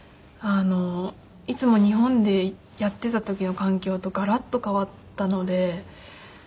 いつも日本でやっていた時の環境とガラッと変わったので。